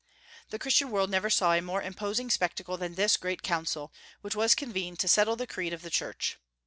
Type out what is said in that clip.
The Christian world never saw a more imposing spectacle than this great council, which was convened to settle the creed of the Church.